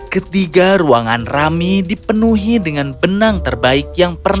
ketiga ruangan rami dipenuhi dengan benang terbaik yang penuh